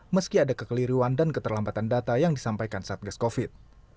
meski ada kekeliruan dan keterlambatan data yang disampaikan satgas covid